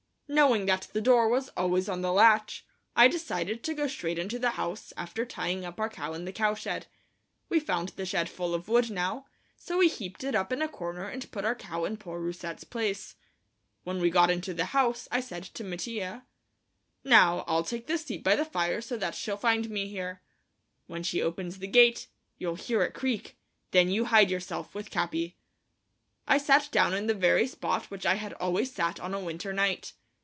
Knowing that the door was always on the latch, I decided to go straight into the house, after tying our cow up in the cowshed. We found the shed full of wood now, so we heaped it up in a corner, and put our cow in poor Rousette's place. When we got into the house, I said to Mattia: "Now, I'll take this seat by the fire so that she'll find me here. When she opens the gate, you'll hear it creak; then you hide yourself with Capi." I sat down in the very spot where I had always sat on a winter night.